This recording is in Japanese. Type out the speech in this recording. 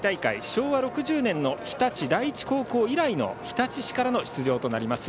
昭和６０年の日立第一高校以来の日立市からの出場となります